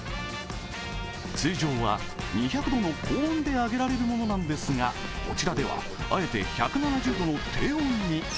通常は２００度の高温で揚げられるものなんですが、こちらではあえて１７０度の低温に。